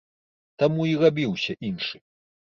Таму і рабіўся іншы.